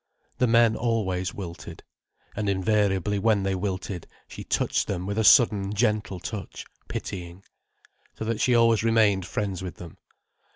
The men always wilted. And invariably, when they wilted, she touched them with a sudden gentle touch, pitying. So that she always remained friends with them.